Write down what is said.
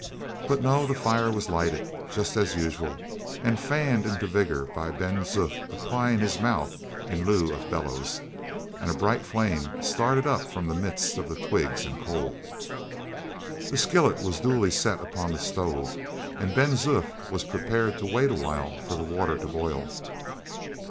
But no; the fire was lighted just as usual, and fanned into vigor by Ben Zoof applying his mouth in lieu of bellows, and a bright flame started up from the midst of the twigs and coal. The skillet was duly set upon the stove, and Ben Zoof was prepared to wait awhile for the water to boil.